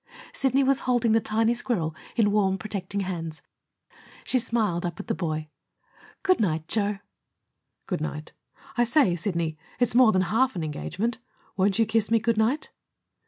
Sidney was holding the tiny squirrel in warm, protecting hands. She smiled up at the boy. "Good night, Joe." "Good night. I say, Sidney, it's more than half an engagement. Won't you kiss me good night?"